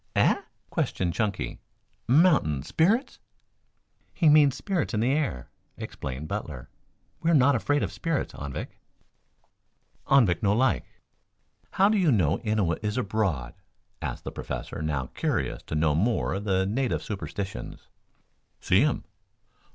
"Eh?" questioned Chunky. "Mountain spirits?" "He means spirits in the air," explained Butler. "We are not afraid of spirits, Anvik." "Anvik no like." "How do you know Innua is abroad?" asked the Professor, now curious to know more of the native superstitions. "See um."